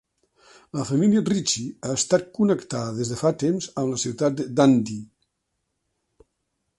La família Ritchie ha estat connectada des de fa temps amb la ciutat de Dundee.